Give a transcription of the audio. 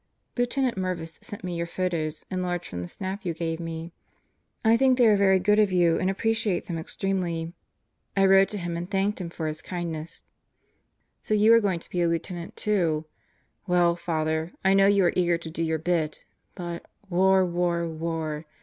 Lieutenant Merviss sent me your photos, enlarged from the snap you gave me. I think they are very good of you and appreciate them extremely. I wrote to him and thanked him for his kindness. Satan in the Cell Block 95 So you are going to be a Lieutenant, too. Well, Father, I know you are eager to do your bit, but war, war, war